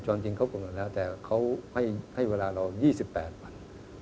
จริงเขากำหนดแล้วแต่เขาให้เวลาเรา๒๘วัน